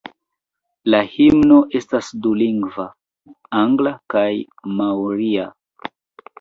La himno estas dulingva: angla kaj maoria.